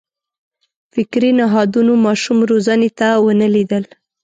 فکري نهادونو ماشوم روزنې ته ونه لېدل.